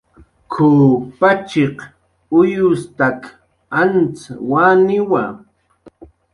"K""uw pachiq uyustak antz waniwa"